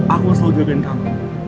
aku akan selalu jagain kamu